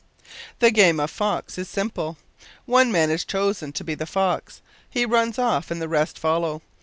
The game of fox is simple. One man is chosen to be the fox. He runs off and the rest follow.